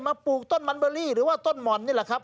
ปลูกต้นมันเบอรี่หรือว่าต้นหม่อนนี่แหละครับ